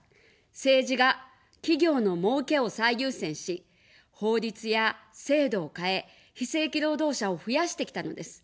政治が企業のもうけを最優先し、法律や制度を変え、非正規労働者を増やしてきたのです。